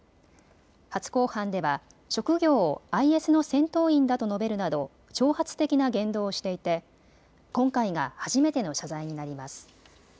初公判では職業をＩＳの戦闘員だと述べるなど挑発的な言動をしていて今回が初めての謝罪になります。